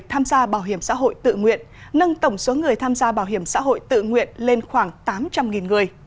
tham gia bảo hiểm xã hội tự nguyện nâng tổng số người tham gia bảo hiểm xã hội tự nguyện lên khoảng tám trăm linh người